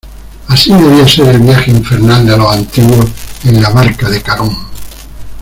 así debía ser el viaje infernal de los antiguos en la barca de Carón: